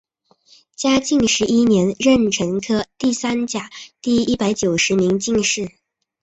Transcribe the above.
嘉靖十一年壬辰科第三甲第一百九十名进士。